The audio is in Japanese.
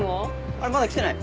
あら？まだ来てない？